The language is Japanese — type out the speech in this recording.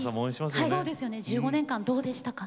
１５年間どうでしたか？